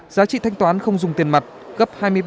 giá trị thanh toán không dùng tiền mặt gấp hai mươi ba lần gdp